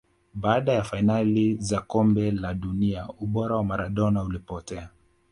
Baada ya fainali za kombe la dunia ubora wa Maradona ulipotea